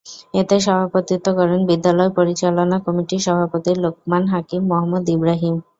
এতে সভাপতিত্ব করেন বিদ্যালয় পরিচালনা কমিটির সভাপতি লোকমান হাকিম মোহাম্মদ ইব্রাহিম।